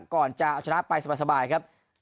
ก่อนจะเอาชนะไปสบายครับ